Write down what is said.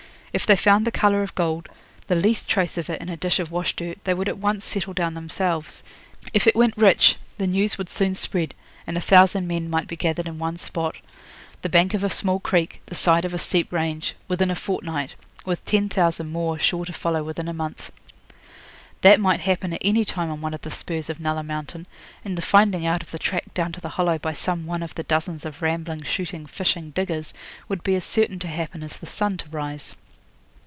If they found the colour of gold, the least trace of it in a dish of wash dirt, they would at once settle down themselves. If it went rich the news would soon spread, and a thousand men might be gathered in one spot the bank of a small creek, the side of a steep range within a fortnight, with ten thousand more sure to follow within a month. That might happen at any time on one of the spurs of Nulla Mountain; and the finding out of the track down to the Hollow by some one of the dozens of rambling, shooting, fishing diggers would be as certain to happen as the sun to rise.